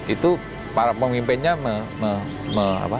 itu para pemimpinnya